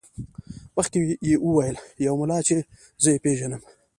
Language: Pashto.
مخکې یې وویل یو ملا چې زه یې پېژنم.